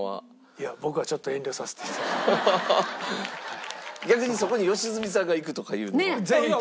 いや逆にそこに良純さんが行くとかいうのは？